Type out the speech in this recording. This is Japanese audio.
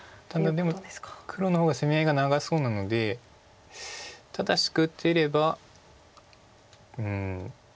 でも黒の方が攻め合いが長そうなので正しく打てればうん。